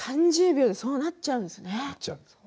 ３０秒でそうなってしまうんですね。